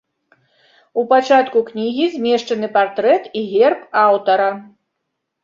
У пачатку кнігі змешчаны партрэт і герб аўтара.